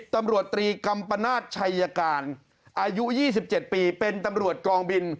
ตำรวจตรีกัมปนาศชัยการอายุ๒๗ปีเป็นตำรวจกองบิน